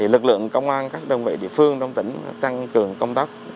lực lượng công an các đơn vị địa phương trong tỉnh tăng cường công tác